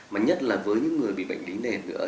mà nhất là với những người bị bệnh lý nền nữa